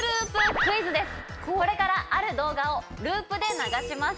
これからある動画をループで流します。